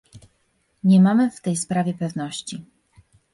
Nie mamy w tej sprawie pewności